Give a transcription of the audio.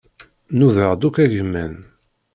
Nudaɣ-d akk agmam.